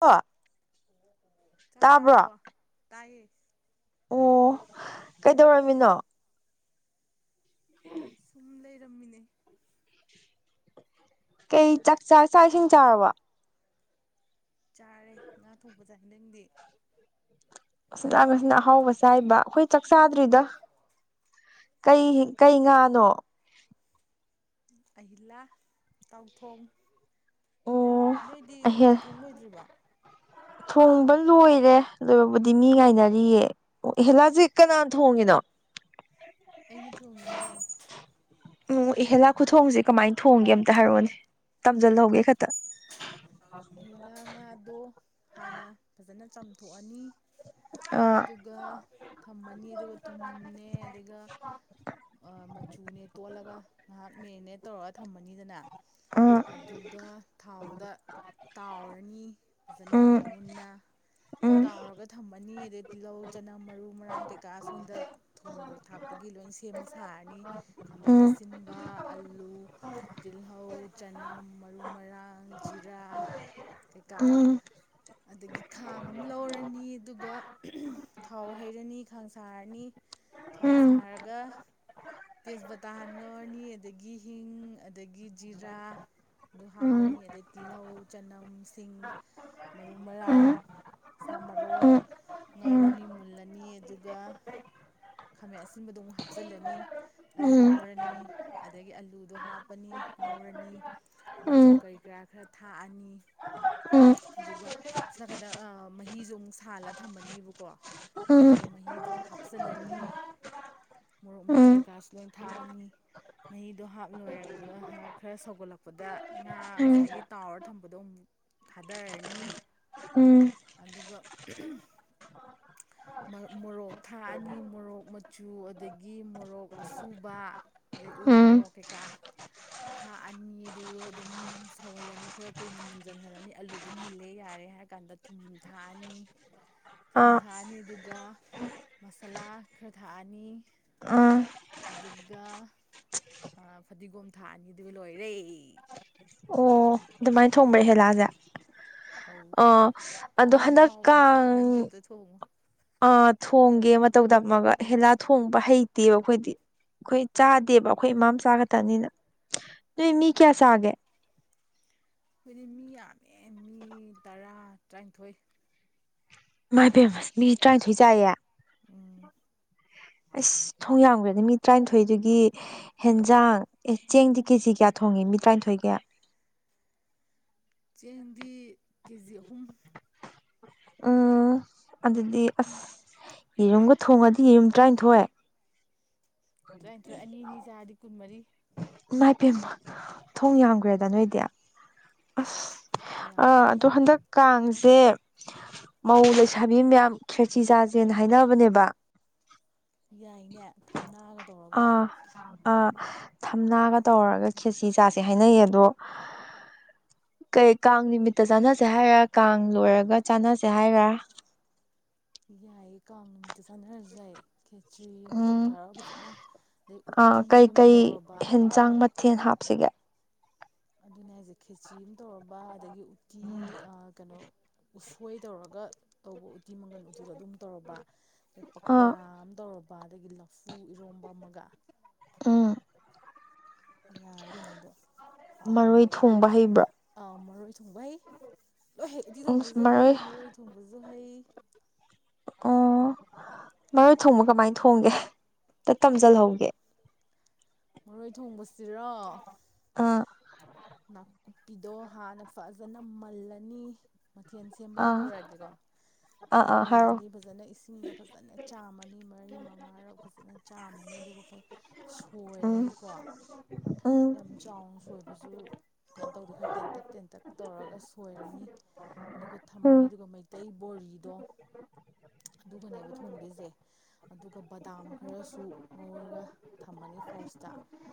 ꯑ ꯆꯥꯛ ꯆꯥꯔꯕꯣ ꯇꯥꯏꯌꯦ ꯑꯣ ꯀꯩꯗꯧꯔꯝꯃꯤꯅꯣ ꯎꯝ ꯁꯨꯝ ꯂꯩꯔꯝꯃꯤꯅꯦ ꯀꯩ ꯆꯥꯛꯆꯥ ꯆꯥꯛ ꯏꯁꯤꯡ ꯆꯥꯔꯕ ꯆꯥꯔꯦ ꯉꯥ ꯊꯣꯡꯄ ꯆꯥꯢ ꯅꯪꯗꯤ ꯑ ꯅꯪꯁꯤꯅ ꯑꯍꯥꯎꯕ ꯆꯥꯏꯕ ꯑꯈꯣꯏ ꯆꯥꯛ ꯆꯥꯗ꯭ꯔꯤꯗ ꯀꯩ ꯀꯩ ꯉꯥꯅꯣ ꯑꯍꯤꯂ ꯇꯥꯎꯊꯣꯡ ꯅꯪ ꯑꯣ ꯅꯣꯏꯗꯤ ꯑꯍꯦ ꯊꯣꯡꯂꯣꯏꯗ꯭ꯔꯤꯕꯣ ꯊꯣꯡꯕ ꯂꯣꯏꯔꯦ ꯑꯗꯨꯕꯨꯗꯤ ꯃꯤ ꯉꯥꯏꯅꯔꯤꯌꯦ ꯑꯦꯍꯦꯂꯥꯁꯦ ꯀꯅꯥꯅ ꯊꯣꯡꯉꯤꯅꯣ [inaudible] ꯑꯩꯅ ꯊꯣꯡꯉꯤꯅꯦ ꯎꯝ ꯏꯍꯦꯂꯥ ꯈꯨꯊꯣꯡꯁꯦ ꯀꯃꯥꯏꯅ ꯊꯣꯡꯒꯦ ꯑꯝꯇ ꯍꯥꯏꯔꯛꯑꯣꯅꯦ ꯇꯝꯁꯤꯜꯍꯧꯒꯦ ꯈꯛꯇ ꯑꯍꯦꯂꯥ ꯉꯥꯗꯣ ꯍꯥꯟꯅ ꯐꯖꯅ ꯆꯥꯝꯊꯣꯛꯑꯅꯤ ꯑꯥ ꯑꯗꯨꯒ ꯊꯝꯃꯅꯤ ꯑꯗꯨꯒ ꯊꯨꯝꯅꯦ ꯑꯗꯨꯒ ꯑ ꯃꯆꯨꯅꯦ ꯇꯣꯜꯂꯒ ꯉꯥꯏꯍꯥꯛ ꯃꯦꯔꯤꯅꯦꯠ ꯇꯧꯔꯒ ꯊꯝꯃꯅꯤꯗꯅ ꯑꯥ ꯑꯗꯨꯒ ꯊꯥꯎꯗ ꯇꯥꯎꯔꯅꯤ ꯐꯖꯅ ꯎꯝ ꯃꯨꯟꯅ ꯎꯝ ꯇꯥꯎꯔꯒ ꯊꯝꯃꯅꯤ ꯑꯗꯩ ꯇꯤꯜꯍꯧ ꯆꯅꯝ ꯃꯔꯨ ꯃꯔꯥꯡ ꯀꯩꯀꯥ ꯁꯣꯝꯗ ꯊꯣꯡꯕ ꯊꯥꯛꯄꯒꯤ ꯂꯣꯏ ꯁꯦꯝ ꯁꯥꯔꯅꯤ ꯈꯥꯃꯦꯟ ꯎꯝ ꯑꯁꯤꯟꯕ ꯑꯂꯨ ꯇꯤꯜꯍꯧ ꯆꯅꯝ ꯅꯝ ꯃꯔꯨ ꯃꯔꯥꯡ ꯖꯤꯔꯥ ꯀꯩꯀꯥ ꯎꯝ ꯑꯗꯒꯤ ꯈꯥꯡ ꯑꯃ ꯂꯧꯔꯅꯤ ꯑꯗꯨꯒ ꯊꯥꯎ ꯍꯩꯔꯅꯤ ꯈꯥꯡ ꯁꯥꯔꯅꯤ ꯎꯝ ꯊꯥꯎ ꯎꯝ ꯁꯥꯔꯒ ꯇꯦꯁꯄꯇꯥꯍꯟꯉꯧꯔꯅꯤ ꯑꯗꯒꯤ ꯍꯤꯡ ꯑꯗꯒꯤ ꯖꯤꯔꯥ ꯑꯗꯨ ꯍꯥꯞ ꯎꯝ ꯄꯅꯤ ꯑꯗꯩ ꯇꯤꯜꯍꯧ ꯆꯅꯝ ꯁꯤꯡ ꯃꯔꯨ ꯃꯔꯥꯡ ꯎꯝ ꯁꯥ ꯃꯔꯣꯏ ꯎꯝ ꯎꯝ ꯉꯧꯔꯅꯤ ꯃꯨꯜꯂ ꯅꯤ ꯑꯗꯨꯒ ꯈꯥꯃꯦꯟ ꯑꯁꯤꯟꯕꯗꯨ ꯑꯃꯨꯛ ꯍꯥꯞꯆꯤꯜꯂꯅꯤ ꯑꯗꯨ ꯉꯧꯔꯅꯤ ꯑꯗꯒꯤ ꯑꯂꯨꯗꯣ ꯍꯥꯞꯄꯅꯤ ꯉꯧꯔꯅꯤ ꯃ ꯆꯨ ꯎꯝ ꯀꯩꯀꯥ ꯈꯔ ꯊꯥꯛꯑꯅꯤ ꯎꯝ ꯑꯗꯨꯒ ꯁꯣ ꯅꯥꯀꯟꯗ ꯃꯍꯤꯖꯨ ꯑꯃꯨꯛ ꯁꯥꯍꯜꯂ ꯊꯝꯃꯅꯤꯕꯀꯣ ꯎꯝ ꯑꯗꯨꯒ ꯃꯍꯤꯗꯣ ꯍꯥꯞꯆꯤꯜꯂꯅꯤ ꯃꯣꯔꯣꯛ ꯃꯆꯨ ꯎꯝ ꯀꯩꯀꯥꯁꯨ ꯂꯣꯏ ꯊꯥꯛꯑꯅꯤ ꯃꯍꯤꯗꯣ ꯍꯥꯞ ꯂꯣꯏꯔꯒ ꯈꯔ ꯁꯧꯒꯠꯂꯛꯄꯗ ꯉꯥ ꯎꯝ ꯉꯁꯥꯏꯒꯤ ꯇꯥꯎꯔ ꯊꯝꯕꯗꯣ ꯑꯃꯨꯛ ꯊꯥꯗꯔꯅꯤ ꯎꯝ ꯑꯗꯨꯒ [inaudible] ꯃꯣꯔꯣꯛ ꯊꯥꯛ ꯑꯅꯤ ꯃꯣꯔꯣꯛ ꯃꯆꯨ ꯑꯗꯒꯤ ꯃꯣꯔꯣꯛ ꯑꯁꯨꯕ ꯑꯗꯩ ꯎ ꯎꯝ ꯃꯣꯔꯣꯛ ꯀꯩꯀꯥ ꯊꯥꯛꯑꯅꯤ ꯑꯗꯨꯒ ꯑꯗꯨꯝ ꯁꯧꯍꯜꯂꯅꯤ ꯈꯔ ꯀꯨꯏꯅ ꯃꯨꯟꯖꯟꯍꯜꯂꯅꯤ ꯑꯂꯨꯗꯣ ꯃꯨꯜꯂꯦ ꯌꯥꯔꯦ ꯍꯥꯏꯔ ꯀꯥꯟꯗ ꯊꯨꯝ ꯊꯥꯛꯑꯅꯤ ꯊꯨꯝ ꯑꯥ ꯊꯥꯛꯑꯅꯤ ꯑꯗꯨꯒ ꯃꯁꯥꯂꯥ ꯈꯔ ꯊꯥꯛꯑꯅꯤ ꯑꯥ ꯑꯗꯨꯒ ꯐꯗꯤꯒꯣꯝ ꯊꯥꯑꯅꯤ ꯑꯗꯨꯒ ꯂꯣꯏꯔꯦ ꯑꯗꯨꯃꯥꯏꯟ ꯊꯣꯡꯕ꯭ꯔ ꯑꯍꯦꯂꯥꯁꯦ ꯑꯧ ꯑꯣ ꯑꯗꯣ ꯌꯥꯝ ꯍꯟꯗꯛ ꯍꯥꯎꯕꯅꯦ ꯀꯥꯡ ꯅꯪꯁꯨ ꯑꯝꯇ ꯊꯣꯡꯉꯣ ꯑ ꯊꯣꯡꯒꯦ ꯃꯇꯧ ꯇꯝꯃꯒ ꯑꯍꯦꯂꯥ ꯊꯣꯡꯕ ꯍꯩꯇꯦꯕ ꯑꯩꯈꯣꯏꯗꯤ ꯑꯩꯈꯣꯏ ꯆꯥꯗꯦꯕ ꯑꯩꯈꯣꯏ ꯏꯃꯥꯝ ꯆꯥ ꯈꯇꯅꯤꯅ ꯅꯣꯏ ꯃꯤ ꯀꯌꯥ ꯆꯥꯒꯦ ꯑꯩꯈꯣꯏꯗꯤ ꯃꯤ ꯌꯥꯝꯃꯦ ꯃꯤ ꯇꯔꯥ ꯇꯔꯥꯅꯤꯊꯣꯏ ꯏꯃꯥꯏꯄꯦꯝꯃ ꯃꯤ ꯇꯔꯥꯅꯤꯊꯣꯏ ꯆꯥꯏꯌꯦ ꯎꯝ ꯑꯁ ꯊꯣꯡ ꯌꯥꯝꯒ꯭ꯔꯗ ꯃꯤ ꯇꯔꯥꯅꯤꯊꯣꯏꯗꯨꯒꯤ ꯍꯦꯟꯖꯥꯡ ꯑꯦ ꯆꯦꯡꯗꯤ ꯀꯦꯖꯤ ꯀꯌꯥ ꯊꯣꯡꯉꯤ ꯃꯤ ꯇꯔꯥꯏꯟꯊꯣꯏꯒꯤ ꯆꯦꯡꯗꯤ ꯀꯦꯖꯤ ꯑꯍꯨꯝ ꯎꯝ ꯑꯗꯨꯗꯤ ꯑꯁ ꯌꯦꯔꯨꯝꯒ ꯊꯣꯡꯉꯗꯤ ꯌꯦꯔꯨꯝ ꯇꯔꯥꯏꯟꯊꯣꯏ ꯇꯔꯥꯏꯟꯊꯣꯏ ꯑꯅꯤ ꯑꯅꯤ ꯆꯥꯔꯗꯤ ꯀꯨꯟꯃꯔꯤ ꯃꯥꯏꯄꯦꯝꯃ ꯊꯣꯡ ꯌꯥꯝꯒ꯭ꯔꯦꯗ ꯅꯣꯏꯗꯤ ꯑꯁ ꯑꯥ ꯌꯥꯝꯕꯅꯦ ꯑꯗꯣ ꯍꯟꯗꯛ ꯀꯥꯡꯖ ꯖꯦ ꯃꯧ ꯂꯩꯁꯥꯕꯤ ꯃꯌꯥꯝ ꯈꯦꯆꯤ ꯆꯥꯥꯖꯦꯅ ꯍꯥꯏꯅꯕꯅꯦꯕ ꯌꯥꯏꯅꯦ ꯊꯝꯅꯥꯒ ꯇꯧꯔꯒ ꯑꯥ ꯑꯥ ꯊꯝꯅꯥꯒ ꯇꯧꯔꯒ ꯈꯦꯁꯤ ꯆꯥꯁꯦ ꯍꯥꯏꯅꯩ ꯑꯗꯣ ꯀꯩ ꯀꯥꯡ ꯅꯨꯃꯤꯠꯇ ꯆꯥꯅꯖꯦ ꯍꯥꯏꯔ ꯀꯥꯡ ꯂꯣꯏꯔꯒ ꯆꯥꯅꯖꯦ ꯍꯥꯏꯔ ꯌꯥꯏꯌꯦ ꯀꯥꯡ ꯅꯨꯃꯤꯠꯇ ꯆꯥꯅꯔꯖꯨ ꯌꯥꯏ ꯈꯦꯆ꯭ꯔꯤ ꯑꯃ ꯎꯝ ꯇꯧꯊꯔꯒ ꯐꯖꯅ ꯑꯗꯩ ꯑꯥ ꯎꯇꯤ ꯑꯃ ꯇꯧꯔꯕ ꯁꯤꯒ ꯑꯗꯨꯅꯦ ꯍꯥꯏꯖꯦ ꯈꯦꯆꯤ ꯑꯃ ꯇꯧꯔꯕ ꯑꯗꯒꯤ ꯎꯇꯤ ꯑꯥ ꯀꯩꯅꯣ ꯎꯁꯣꯏ ꯇꯧꯔꯒ ꯇꯧꯕ ꯎꯠ ꯇꯤ ꯃꯪꯒꯜ ꯎꯇꯤ ꯑꯗꯨ ꯑꯃ ꯇꯧꯔꯕ ꯗꯩ ꯑꯥ ꯄꯀꯣꯔ ꯑꯝ ꯇꯧꯔꯕ ꯄꯥ ꯗꯒꯤ ꯂꯐꯨ ꯏꯔꯣꯝꯕ ꯑꯃꯒ ꯎꯝ ꯌꯥꯔꯦ ꯀꯩꯅꯣꯗꯣ ꯃꯔꯣꯏ ꯍꯥꯎꯔꯅꯤ ꯊꯣꯡꯕ ꯍꯩꯕ꯭ꯔꯣ ꯑꯥ ꯃꯔꯣꯏ ꯊꯣꯡꯕ ꯍꯩ ꯂꯣꯏ ꯍꯩ ꯎꯇꯤ ꯊꯣꯡꯕꯖꯨ ꯍꯩ ꯃꯔꯣꯏ ꯊꯣꯡꯕꯖꯨ ꯍꯩ ꯑꯣ ꯃꯔꯣꯏ ꯊꯣꯡꯕ ꯀꯃꯥꯏ ꯊꯣꯡꯒꯦ ꯇ ꯇꯝꯖꯤꯜꯍꯧꯒꯦ ꯃꯔꯣꯏ ꯊꯣꯡꯕꯁꯤꯔꯣ ꯑꯥ ꯅꯥꯀꯨꯞꯄꯤꯗꯣ ꯍꯥꯅ ꯐꯖꯅ ꯃꯜꯂꯅꯤ ꯃꯊꯦꯟ ꯁꯦꯝꯕꯗꯩ ꯑꯥ ꯍꯧꯔꯛꯑꯒꯦꯀꯣ ꯑꯥ ꯐꯖꯅ ꯑꯥ ꯍꯥꯏꯔꯣ ꯃꯜꯂꯅꯤ ꯐꯖꯅ ꯏꯁꯤꯡꯗ ꯐꯖꯅ ꯆꯥꯝꯃꯅꯤ ꯃꯔꯤ ꯃꯉꯥꯔꯛ ꯐꯖꯅ ꯆꯥꯝꯃꯅꯤ ꯑꯗꯨꯒ ꯐ ꯎꯝ ꯁꯣꯏꯔꯅꯤꯀꯣ ꯎꯝ ꯌꯥꯝ ꯆꯥꯎꯅ ꯁꯣꯏꯕꯖꯨ ꯀꯩꯅꯣ ꯇꯧꯗꯦ ꯈꯔ ꯇꯦꯟꯇꯛ ꯇꯦꯟꯇꯛ ꯇꯧꯔꯒ ꯁꯣꯏꯔꯅꯤ ꯑꯗꯨꯒ ꯊꯝꯃꯅꯤ ꯎꯝ ꯑꯗꯨꯒ ꯃꯩꯇꯩ ꯕꯣꯔꯤꯗꯣ ꯑꯗꯨꯒꯅꯦꯕ ꯊꯣꯡꯗꯣꯏꯖꯦ ꯑꯗꯨꯒ ꯕꯗꯥꯝ ꯈꯔꯁꯨ ꯉꯧꯔꯒ ꯊꯝꯃꯅꯤ ꯐꯥꯔꯁ ꯇꯥ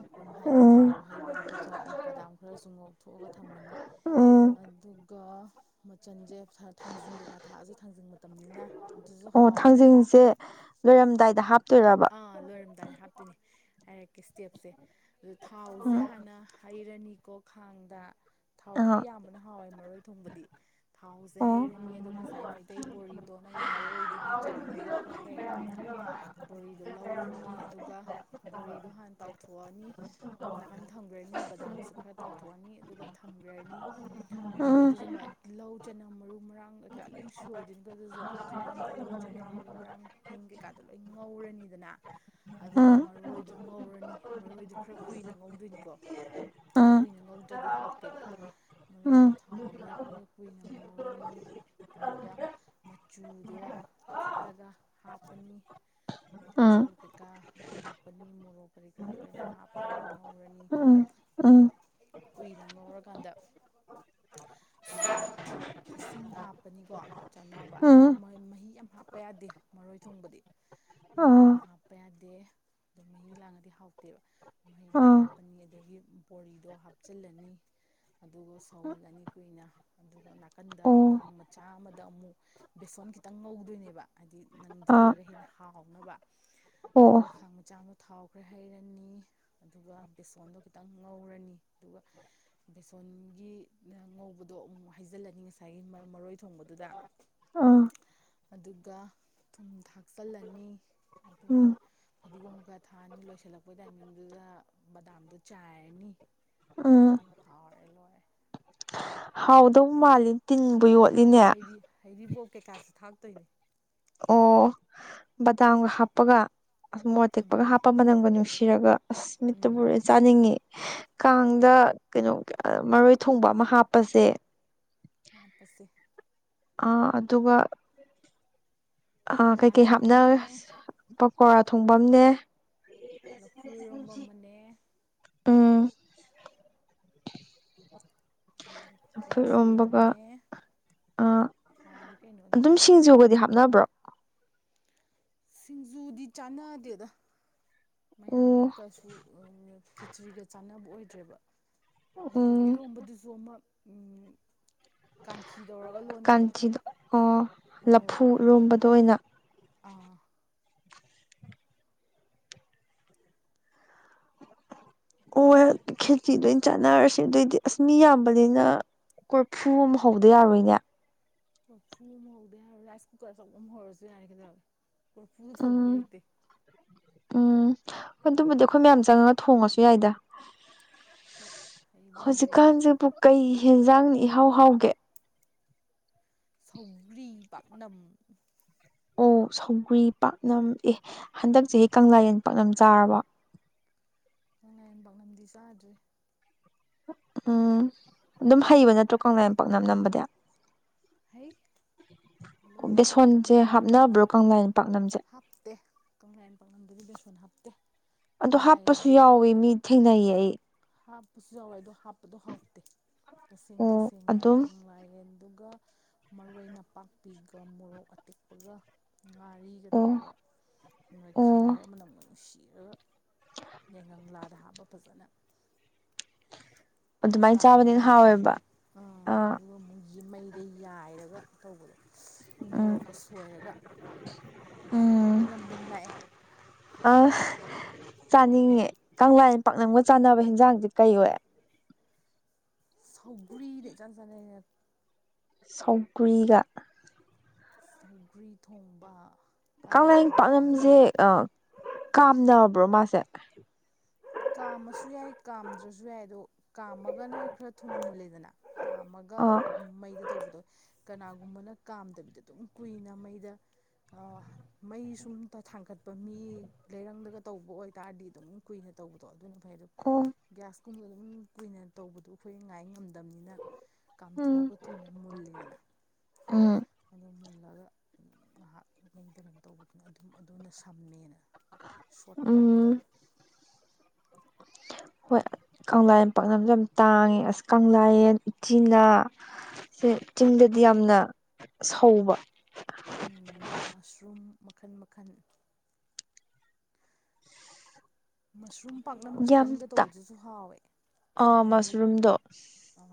ꯑꯗꯨꯝ ꯍꯥꯏꯗꯤ ꯊꯥꯎ ꯎꯝ ꯍꯩꯕꯗꯨꯗ ꯖ ꯕꯗꯥꯝ ꯈꯔꯁꯨ ꯉꯣꯛꯊꯣꯛꯑꯒ ꯊꯝꯃꯅꯤ ꯎꯝ ꯑꯗꯨꯒ ꯃꯆꯟꯖꯦ ꯊꯥ ꯊꯥꯡꯖꯤꯡ ꯀꯩꯀꯥ ꯊꯥꯛꯑꯖꯨ ꯊꯥꯡꯖꯤꯡ ꯃꯇꯝꯅꯤꯅ ꯑꯗꯨꯖꯨ ꯑꯣ ꯍꯥꯎꯋꯤ ꯊꯥꯡꯖꯤꯡꯁꯦ ꯂꯣꯏꯔꯝꯗꯥꯏꯗ ꯍꯥꯞꯇꯣꯏꯔꯕ ꯑꯥ ꯂꯣꯏꯔꯝꯗꯥꯏ ꯍꯥꯞꯇꯣꯏꯅꯦ ꯍꯥꯏꯔꯛꯀꯦ ꯏꯁꯇꯦꯞꯁꯦ ꯑꯗꯣ ꯊꯥꯎꯖꯦ ꯎꯝ ꯍꯥꯅ ꯍꯩ ꯔꯥꯅꯤꯀꯣ ꯈꯥꯡꯗ ꯊꯥꯎ ꯈꯔ ꯑ ꯌꯥꯝꯕꯅ ꯍꯥꯎꯋꯦ ꯃꯔꯣꯏ ꯊꯣꯡꯕꯗꯤ ꯊꯥꯎꯖꯦ ꯑꯣ ꯍꯩꯔꯅꯤ ꯑꯗꯣ ꯉꯁꯥꯏ ꯃꯩꯇꯩ ꯕꯣꯔꯤꯗꯣ ꯅꯪꯒꯤ ꯃꯔꯣꯏꯗꯨꯒꯤ ꯆꯥꯡꯗꯨꯗ ꯈꯔ ꯌꯥꯝꯅ [unintelligible] ꯕꯣꯔꯤꯗꯣ ꯂꯧꯔꯅꯤ ꯑꯗꯨꯒ ꯕꯣꯔꯤꯗꯣ ꯍꯥꯟ ꯇꯥꯎꯊꯣꯛꯑꯅꯤ ꯑꯗꯨꯒ ꯅꯥꯀꯟ ꯊꯝꯒ꯭ꯔꯅꯤ ꯕꯗꯥꯝꯁꯨ ꯈꯔ ꯇꯥꯎꯊꯣꯛꯑꯅꯤ ꯑꯗꯨꯒ ꯊꯝꯒ꯭ꯔꯅꯤ ꯑꯗꯒꯤ ꯎꯝ ꯑꯗꯨꯖꯨ ꯃ ꯇꯤꯜꯂꯧ ꯆꯅꯝ ꯃꯔꯨ ꯃꯔꯥꯡ ꯀꯩꯀꯥ ꯂꯣꯏ ꯁꯣꯏꯗꯣꯏꯅꯤꯀꯣ ꯑꯗꯨꯖꯨ ꯑꯗꯨ ꯂꯣꯏ ꯇꯤꯜꯂꯧ ꯆꯅꯝ ꯃꯔꯨ ꯃꯔꯥꯡ ꯍꯤꯡ ꯀꯩꯀꯥꯗꯣ ꯂꯣꯏ ꯉꯧꯔꯅꯤꯗꯅ ꯑꯗꯨꯒ ꯎꯝ ꯃꯔꯣꯏꯗꯨ ꯉꯧꯔꯅꯤ ꯃꯔꯣꯏꯗꯨ ꯈꯔ ꯀꯨꯏꯅ ꯉꯧꯗꯣꯏꯅꯤꯀꯣ ꯎꯝ ꯀꯨꯏꯅ ꯉꯧꯗ꯭ꯔꯗꯤ ꯍꯥꯎꯇꯦꯕ ꯎꯝ ꯃꯔꯣꯏꯁꯨ ꯊꯥꯎꯗꯨꯗ ꯈꯔ ꯀꯨꯏꯅ ꯉꯧꯔꯅꯤ ꯑꯗꯨꯒ ꯃꯆꯨꯗꯣ ꯊꯤꯠꯂꯒ ꯍꯥꯞꯄꯅꯤ ꯃꯆꯨ ꯎꯝ ꯀꯩꯀꯥ ꯍꯥꯞꯄꯅꯤ ꯃꯣꯔꯣꯛ ꯀꯔꯤ ꯀꯔꯥ ꯂꯣꯏꯅ ꯍꯥꯞꯄꯅꯤ ꯉ ꯎꯝ ꯎꯝ ꯀꯨꯏꯅ ꯉꯧꯔꯀꯥꯟꯗ ꯑꯥ ꯏꯁꯤꯡ ꯍꯥꯞꯄꯅꯤꯀꯣ ꯆꯥꯟꯅꯕ ꯃ ꯎꯝ ꯃꯣꯏ ꯃꯍꯤ ꯌꯥꯝ ꯍꯥꯞꯄ ꯌꯥꯗꯦ ꯃꯔꯣꯏ ꯊꯣꯡꯕꯗꯤ ꯃꯍꯤ ꯌꯥꯝ ꯎꯝ ꯍꯥꯞꯄ ꯌꯥꯗꯦ ꯑꯗꯨ ꯃꯍꯤ ꯂꯥꯡꯉꯗꯤ ꯍꯥꯎꯇꯦꯕ ꯑ ꯃꯍꯤꯗꯣ ꯑ ꯍꯥꯞꯄꯅꯤ ꯑꯗꯒꯤ ꯕꯣꯔꯤꯗꯣ ꯍꯥꯞꯆꯤꯜꯂꯅꯤ ꯑꯗꯨꯒ ꯁꯧꯍꯜꯂꯅꯤ ꯀꯨꯏꯅ ꯑꯗꯨꯒ ꯅꯥ ꯀꯟꯗ ꯑꯣ ꯈꯥꯡ ꯃꯆꯥ ꯑꯃꯗ ꯑꯃꯨꯛ ꯕꯦꯁꯣꯟ ꯈꯤꯇꯪ ꯉꯧꯗꯣꯏꯅꯦꯕ ꯍꯥꯏꯗꯤ ꯑꯥ ꯅꯪꯁꯤꯜꯂꯒ ꯍꯦꯟꯅ ꯍꯥꯎꯅꯕ ꯑꯣ ꯑꯗꯨꯒ ꯈꯥꯡ ꯃꯆꯥ ꯃ ꯊꯥꯎ ꯈ꯭ꯔꯦ ꯍꯩꯔꯅꯤ ꯑꯗꯨꯒ ꯕꯦꯁꯣꯟꯗꯣ ꯈꯤꯇꯪ ꯉꯧꯔꯅꯤ ꯑꯗꯨꯒ ꯕꯦꯁꯣꯟꯒꯤ ꯉꯧꯕꯗꯣ ꯑꯃꯨꯛ ꯍꯥꯏꯖꯤꯜꯂꯅꯤ ꯉꯁꯥꯏꯒꯤ ꯃꯔꯣꯏ ꯊꯣꯡꯕꯗꯨꯗ ꯑꯥ ꯑꯗꯨꯒ ꯊꯨꯝ ꯊꯥꯛꯆꯤꯜꯂꯅꯤ ꯑꯗꯨꯒ ꯎꯝ ꯐꯗꯤꯀꯣꯝ ꯊꯥꯛꯑꯅꯤ ꯂꯣꯏꯁꯜꯂꯛꯄꯩ ꯇꯥꯏꯃꯤꯡꯗꯨꯗ ꯕꯗꯥꯝꯗꯣ ꯆꯥꯏꯔꯅꯤ ꯎꯝ ꯑꯗꯨ ꯍꯥꯎꯔꯦ ꯂꯣꯏꯔꯦ ꯍꯥꯎꯗꯧ ꯃꯥꯜꯂꯤ ꯇꯤꯟꯕꯨ ꯌꯣꯠꯂꯤꯅꯦ ꯀꯩꯀꯥꯥꯁꯨ ꯊꯥꯛꯇꯣꯏꯅꯦ ꯑꯣ ꯕꯗꯥꯝꯒ ꯍꯥꯞꯄꯒ ꯃꯣꯔꯣꯛ ꯑꯇꯦꯛꯄꯒ ꯎꯝ ꯍꯥꯞꯄ ꯃꯅꯝꯒ ꯅꯨꯡꯁꯤ ꯁꯤꯔꯒ ꯑꯁ ꯃꯤꯠꯇꯕꯨ ꯎꯝ ꯎꯔꯦ ꯆꯥꯅꯤꯡꯉꯤ ꯀꯥꯡꯗ ꯀꯩꯅꯣ ꯃꯔꯣꯏ ꯊꯣꯡꯕ ꯑꯃ ꯍꯥꯞꯄꯁꯦ ꯍꯥꯞꯄꯁꯦ ꯑꯥ ꯑꯗꯨꯒ ꯑꯥ ꯄꯀꯣꯔꯥ ꯀꯩꯀꯩ ꯊꯣꯡꯕ ꯍꯥꯞꯅ ꯑꯃꯅꯦ ꯄꯀꯧꯔꯥ ꯊꯣꯡꯕꯑꯝꯅꯦ ꯂꯐꯨ ꯏꯔꯣꯝꯕ ꯑꯃꯅꯦ ꯆꯝꯐꯨꯠ ꯑꯗꯨꯒ ꯏꯔꯣꯝꯕꯒ ꯀꯦꯆ꯭ꯔꯤꯗꯨꯝꯅꯦ ꯑꯥ ꯑꯗꯨꯝ ꯁꯤꯡꯖꯨꯒꯗꯤ ꯍꯥꯞꯅꯕ꯭ꯔꯣ ꯁꯤꯡꯖꯨꯗꯤ ꯆꯥꯟꯅꯗꯦꯗ ꯃꯌꯥꯝꯗꯨ ꯑꯣ ꯀꯩꯁꯨ ꯈꯦꯆ꯭ꯔꯤꯒ ꯆꯥꯟꯅꯕ ꯑꯣꯏꯗ꯭ꯔꯦꯕ ꯑꯗꯨ ꯎꯝ ꯏꯔꯣꯝꯕꯗꯨꯁꯨ ꯑꯃ ꯎꯝ ꯀꯥꯟꯆꯤ ꯇꯧꯔꯒ ꯂꯣꯟꯕꯗꯣ ꯀꯥꯟꯆꯤꯗꯣ ꯑꯣ ꯃꯣꯔꯣꯛ ꯂꯐꯨ ꯀꯩꯀꯥ ꯇꯧꯔꯒ ꯏꯔꯣꯝꯕꯗꯣ ꯑꯣꯏꯅ ꯑꯥ ꯑꯣ ꯈꯦꯆꯤꯗꯣꯏ ꯑꯣꯏꯅ ꯆꯥꯟꯅꯔꯁꯦ ꯑꯗꯨꯑꯣꯏꯗꯤ ꯑꯁ ꯃꯤ ꯌꯥꯝꯕꯅꯤꯅ ꯀꯣꯔꯐꯨ ꯑꯃ ꯍꯧꯗ ꯌꯥꯔꯣꯏꯅꯦ ꯐꯨ ꯑꯃ ꯍꯧꯕꯗ ꯌꯥꯔꯣꯏ ꯔꯥꯏꯁ ꯀꯨꯀꯔ ꯑꯆꯧꯕ ꯑꯃ ꯍꯧꯔꯁꯨ ꯌꯥꯔꯦ ꯀꯩꯗꯧꯔꯒꯦ ꯀꯣꯔꯐꯨꯗ ꯊꯣꯡꯕꯗꯤ ꯎꯝ ꯍꯩꯇꯦ ꯎꯝ ꯑꯗꯨꯕꯨꯗꯤ ꯑꯩꯈꯣꯏ ꯃꯌꯥꯝ ꯆꯪꯉꯒ ꯊꯣꯡꯉꯁꯨ ꯌꯥꯏꯗ ꯍꯣꯏ ꯍꯩꯕ ꯌꯥꯝ ꯂꯩꯕꯅꯤ ꯍꯧꯖꯤꯛꯀꯥꯟꯁꯤꯕꯨ ꯀꯩ ꯍꯦꯟꯖꯥꯡꯅ ꯏꯍꯥꯎ ꯍꯥꯎꯒꯦ ꯁꯧꯒ꯭ꯔꯤ ꯄꯥꯛꯅꯝ ꯑꯣ ꯁꯧꯒ꯭ꯔꯤ ꯄꯥꯛꯅꯝ ꯑꯦ ꯍꯟꯗꯛꯁꯦ ꯆꯍꯤ ꯀꯪꯂꯥꯌꯦꯟ ꯄꯥꯛꯅꯝ ꯆꯥꯔꯕꯣ ꯀꯪꯂꯥꯌꯦꯟ ꯄꯥꯛꯅꯝꯗꯤ ꯆꯥꯗ꯭ꯔꯤ ꯎꯝ ꯑꯗꯨꯝ ꯍꯩꯕ ꯅꯠꯇ꯭ꯔꯣ ꯀꯪꯂꯥꯌꯦꯟ ꯄꯥꯛꯅꯝ ꯅꯝꯕꯗꯤ ꯍꯩ ꯂꯣꯏ ꯍꯩ ꯕꯦꯁꯣꯟꯁꯦ ꯀꯪꯂꯥꯌꯦꯟ ꯄꯥꯛꯅꯝꯁꯨ ꯍꯥꯞꯅꯕ꯭ꯔꯣ ꯀꯪꯂꯥꯌꯦꯟ ꯄꯥꯛꯅꯝꯁꯦ ꯍꯥꯞꯇꯦ ꯀꯪꯂꯥ ꯌꯦꯟ ꯄꯥꯛꯅꯝꯗꯨꯒꯤꯗ ꯁꯨꯅ ꯍꯥꯞꯇꯦ ꯑꯣ ꯍꯥꯞꯄꯁꯨ ꯀꯪꯂꯥꯌꯦꯟꯗꯨꯒ ꯌꯥꯎꯋꯤ ꯃꯤ ꯊꯦꯡꯅꯩꯌꯦ ꯑꯩ ꯍꯥꯞꯄꯁꯨ ꯌꯥꯎꯋꯦ ꯑꯗꯣ ꯍꯥꯞꯄꯗꯣ ꯍꯥꯎꯇꯦ ꯇꯁꯦꯡ ꯑꯣ ꯇꯁꯦꯡꯅ ꯑꯗꯨꯝ ꯀꯪꯂꯥ ꯌꯦꯟ ꯑꯗꯨꯒ ꯃꯔꯣꯏ ꯅꯄꯥꯛꯄꯤꯒ ꯃꯣꯔꯣꯛ ꯑꯇꯦꯛꯄꯒ ꯉꯥꯔꯤꯒ ꯑꯣ ꯇꯧꯔꯒ ꯑꯣ ꯅꯣꯏꯈꯥꯏꯔ ꯃꯅꯝ ꯅꯨꯡꯁꯤꯔꯒ ꯌꯥꯏꯉꯪ ꯂꯥꯗ ꯍꯥꯞꯄ ꯐꯖꯅ ꯑꯗꯨꯃꯥꯏꯅ ꯆꯥꯕꯅꯤꯅ ꯀꯥꯝꯃꯅꯤ ꯍꯥꯟꯅ ꯍꯥꯎꯋꯦꯕ ꯑꯥ ꯑꯗꯨꯒ ꯑꯃꯨꯛ ꯃꯩꯗ ꯌꯥꯏꯔꯒ ꯇꯧꯕꯗꯣ ꯎ ꯎꯝ ꯃꯣꯔꯣꯛꯀ ꯁꯣꯏꯔꯒ ꯎꯝ ꯃꯅꯝꯗꯨꯝ ꯂꯥꯛꯑꯦ ꯑ ꯆꯥꯅꯤꯡꯉꯦ ꯀꯪꯂꯥ ꯄꯥꯛꯅꯝꯒ ꯆꯥꯅꯕ ꯍꯤꯟꯖꯥꯡꯗꯤ ꯀꯩ ꯑꯣꯏ ꯁꯧꯒꯔꯤ ꯅ ꯏꯆꯥꯟ ꯆꯥ ꯁꯧꯒ꯭ꯔꯤꯒ ꯁꯧꯒ꯭ꯔꯤ ꯊꯣꯡꯕ ꯀꯪꯂꯥ ꯀꯥꯂꯦꯟꯒꯤꯗꯤ ꯄꯥꯛꯅꯝꯁꯦ ꯃꯍꯤ ꯀꯥꯝꯅꯕ꯭ꯔꯣ ꯃꯥꯁꯦ ꯀꯥꯝꯃꯁꯨ ꯌꯥꯏ ꯀꯥꯝꯗ꯭ꯔꯁꯨ ꯌꯥꯏ ꯑꯗꯣ ꯀꯥꯝꯃꯒꯅ ꯈꯔ ꯊꯨꯅ ꯃꯨꯜꯂꯦꯗꯅ ꯀꯥꯝꯃꯒ ꯑ ꯑꯣ ꯃꯩꯗ ꯇꯧꯕꯗꯣ ꯀꯅꯥꯒꯨꯝꯕꯅ ꯀꯥꯝꯗꯕꯤꯗ ꯑꯗꯨꯝ ꯀꯨꯏꯅ ꯃꯩꯗ ꯃꯩ ꯁꯨꯝꯇ ꯊꯥꯡꯒꯠꯄ ꯃꯤ ꯂꯩꯔꯪꯗꯒ ꯇꯧꯕ ꯑꯣꯏꯇꯥꯥꯔꯗꯤ ꯑꯗꯨꯝ ꯀꯨꯏꯅꯗ ꯇꯧꯕꯗꯣ ꯑꯗꯨꯅ ꯐꯩ ꯑꯣ ꯒ꯭ꯌꯥꯁꯀꯨꯝꯕ ꯑꯗꯨꯝ ꯀꯨꯏꯅ ꯇꯧꯕꯗꯨꯣ ꯑꯩꯈꯣꯏ ꯉꯥꯏ ꯉꯝꯗꯦ ꯄꯕꯅꯤꯅ ꯎꯝ ꯀꯥꯝꯊꯣꯛꯑꯒ ꯊꯨꯅ ꯃꯨꯜꯂꯦꯗꯅ ꯎꯝ ꯑ ꯃꯨꯂꯦ ꯈꯠꯂꯒ ꯉꯥꯏꯍꯥꯛ ꯃꯩꯗꯅ ꯇꯧꯕꯗꯨꯅ ꯑꯗꯨꯝ ꯑꯗꯨꯅ ꯁꯝꯃꯦꯅ ꯁꯣꯔꯠ ꯀꯠꯇ ꯎꯝ ꯍꯣꯏ ꯀꯪꯂꯥ ꯄꯥꯛꯅꯝꯁꯨ ꯌꯥꯝ ꯇꯥꯡꯉꯦ ꯑꯁ ꯀꯪꯂꯥꯌꯦꯟ ꯎꯆꯤꯅꯥ ꯁꯦ ꯆꯤꯡꯗꯗꯤ ꯌꯥꯝꯅ ꯁꯧꯕ ꯃꯈꯜ ꯃꯈꯜ ꯃꯁꯔꯨꯝ ꯄꯥꯛꯅꯝ ꯌꯥꯝ ꯆꯤꯛꯀꯟꯒ ꯇꯥ ꯇꯧꯕꯗꯨꯁꯨ ꯍꯥꯎꯋꯦ ꯑꯥ ꯆꯨꯝꯅꯒꯤ ꯃꯁꯔꯨꯝꯗꯣ ꯑ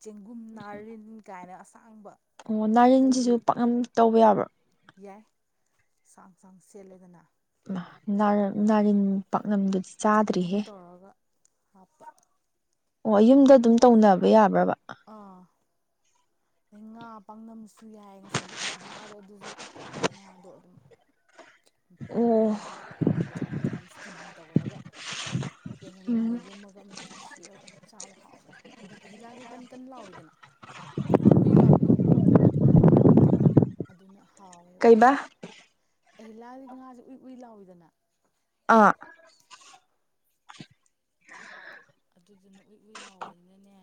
ꯆꯦꯡꯒꯨꯝ ꯅꯥꯔꯤꯟ ꯀꯥꯏꯅ ꯑꯁꯥꯡꯕ ꯑꯣ ꯃꯩꯇꯩꯒꯤ ꯅꯥꯔꯤꯟꯁꯤꯁꯨ ꯄꯥꯛꯅꯝ ꯇꯧꯕ ꯌꯥꯕ꯭ꯔꯥ ꯌꯥꯏ ꯆꯥꯡ ꯁꯥꯡ ꯁꯦꯠꯂꯦꯗꯅ ꯑꯗꯨꯒ ꯍꯧꯖꯤꯛꯀꯤꯅ ꯅꯥꯔꯤꯟ ꯄꯥꯛꯅꯝꯗꯨꯗꯤ ꯆꯤꯛꯀꯟꯒ ꯆꯥꯗ꯭ꯔꯤꯍꯦ ꯇꯧꯔꯒ ꯍꯥꯞꯄ ꯑꯣ ꯌꯨꯝꯗ ꯂꯣꯏ ꯑꯗꯨꯝ ꯌꯥꯏꯗ ꯇꯧꯅꯕ ꯌꯥꯕ꯭ꯔꯕ ꯑꯥ ꯑꯗꯩ ꯉꯥ ꯄꯥꯛꯅꯝꯁꯨ ꯌꯥꯏ ꯉꯁꯥꯏꯒꯤ ꯑꯍꯤꯜꯂꯥꯗꯣ ꯑꯗꯨꯁꯨ ꯉꯥꯗꯣ ꯑꯗꯨꯝ ꯃꯄꯥꯛ ꯑꯣ ꯆꯥꯎꯅ ꯆꯥꯎꯅ ꯏꯁꯇꯤꯝ ꯇꯧꯔꯒ ꯌꯥꯏꯉꯪꯂꯥꯗ ꯎꯝ ꯌꯣꯝꯃꯒ ꯃꯅꯝ ꯅꯨꯡꯁꯤꯔꯒ ꯆꯥꯕ ꯍꯥꯎꯕꯅꯦ ꯍꯥꯏꯗꯤ ꯑꯍꯤꯜꯂꯥꯁꯦ ꯀꯟ ꯀꯟꯅ ꯂꯥꯎꯏꯤꯗꯅ ꯍꯨꯏ ꯍꯨꯏ ꯂꯥꯎꯕꯗꯣ ꯑꯗꯨꯅ ꯍꯥꯎ ꯀꯩꯕ ꯑꯩꯍꯤꯂꯥ ꯉꯥꯁꯦ ꯎꯏ ꯎꯏ ꯂꯥꯎꯏꯗꯅ ꯑꯥ ꯑꯗꯨꯗꯨꯅ ꯎꯏ ꯎꯏ ꯂꯥꯎꯕꯅꯤꯅꯅꯦ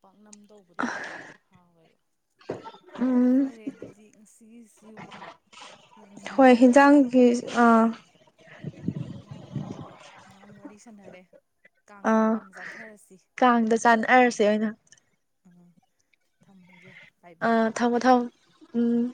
ꯄꯥꯛꯅꯝ ꯇꯧꯕꯗꯨꯅꯦ ꯑꯗꯨꯝ ꯍꯥꯎꯋꯦꯕ ꯍꯣꯏ ꯎꯝ ꯐꯔꯦ ꯑꯗꯨꯗꯤ ꯉꯁꯤꯒꯤꯁꯨ ꯌꯥꯝ ꯍꯣꯏ ꯅꯨꯡꯉꯥꯏꯔꯦ ꯍꯦꯟꯖꯥꯡꯒꯤ ꯑ ꯇꯣꯄꯤꯛꯁꯦ ꯑꯍꯥꯎ ꯑꯍꯥꯎꯕ ꯃꯌꯥꯝ ꯋꯥꯔꯤ ꯁꯥꯟꯅꯔꯦ ꯀꯥꯡꯗ ꯑꯥ ꯍꯥꯎꯅ ꯆꯥꯊꯔꯁꯤ ꯀꯥꯡꯗ ꯆꯥꯅꯔꯁꯦ ꯑꯣꯏꯅ ꯎꯝ ꯊꯝꯃꯒꯦ ꯕꯥꯏ ꯑ ꯕꯥꯏ ꯊꯝꯃꯣ ꯊꯝꯃꯣ ꯎꯝ